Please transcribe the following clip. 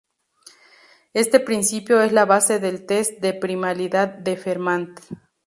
Este principio es la base del test de primalidad de Fermat.